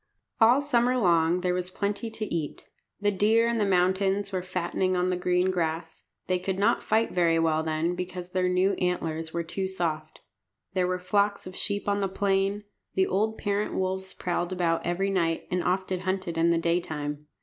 All summer long there was plenty to eat. The deer in the mountains were fattening on the green grass. They could not fight very well then, because their new antlers were too soft. There were flocks of sheep on the plain. The old parent wolves prowled about every night, and often hunted in the daytime.